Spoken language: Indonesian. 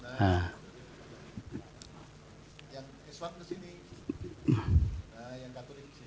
nah yang katolik kesini